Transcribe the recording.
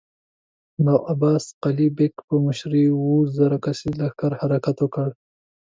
د عباس قلي بېګ په مشری اووه زره کسيز لښکر حرکت وکړ.